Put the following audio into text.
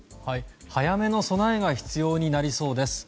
早めの備えが必要になりそうです。